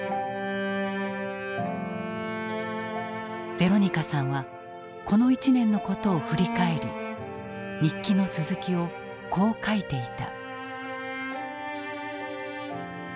ヴェロニカさんはこの１年のことを振り返り日記の続きをこう書いていた。